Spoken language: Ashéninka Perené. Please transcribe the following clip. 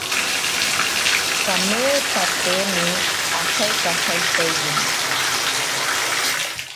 Kameetatene asaikajeetaiyene.